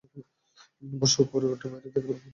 বসো উপরে ওঠো বাইরে দেখো লাফ দাও - লাফ!